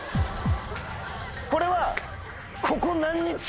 これは。